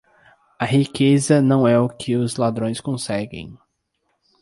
A riqueza não é o que os ladrões conseguem.